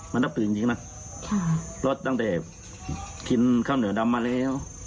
มันรับถึงจริงจริงนะข่าวรถตั้งแต่ขินข้าวเหนือดำมาแล้ว